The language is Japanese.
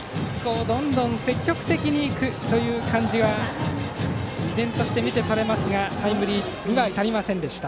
どんどん積極的に行くという感じは依然として見て取れますがタイムリーには至りませんでした。